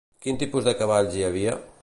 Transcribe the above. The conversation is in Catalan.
Quin tipus de cavalls hi havia?